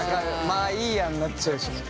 まあいいやになっちゃうしね。